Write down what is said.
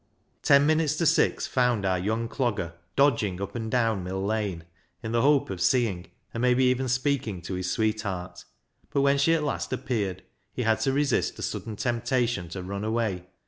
Ten minutes to six found our young dogger dodging up and down Mill Lane, in the hope of seeing, and maybe even speaking to his sweet heart, but when she at last appeared he had to resist a sudden temptation to run away.